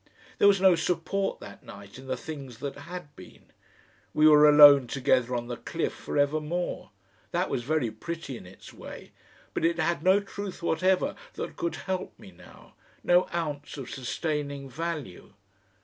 There was no support that night in the things that had been. We were alone together on the cliff for ever more! that was very pretty in its way, but it had no truth whatever that could help me now, no ounce of sustaining value.